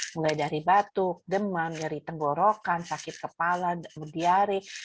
mulai dari batuk demam dari tenggorokan sakit kepala diare